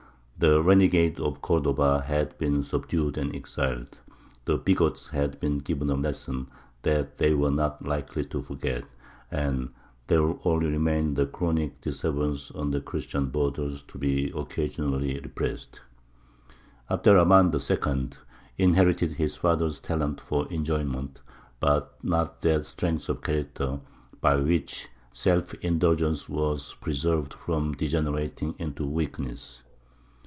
the renegades of Cordova had been subdued and exiled, the bigots had been given a lesson that they were not likely to forget, and there only remained the chronic disturbances on the Christian borders to be occasionally repressed. Abd er Rahmān II. inherited his father's talent for enjoyment, but not that strength of character by which self indulgence was preserved from degenerating into weakness.